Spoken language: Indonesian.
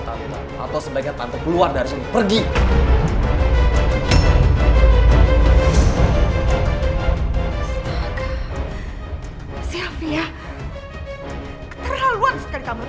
tante atau sebaiknya tante keluar dari sini pergi astaga silvia keterlaluan sekali kamu